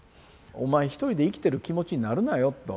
お前一人で生きてる気持ちになるなよと。